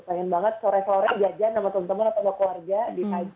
kangen banget sore sore jajan sama teman teman atau sama keluarga